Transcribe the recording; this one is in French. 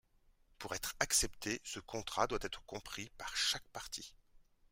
Pour être accepté, ce contrat doit être compris par chaque partie.